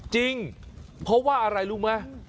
จริงเพราะว่าอะไรรู้ไหม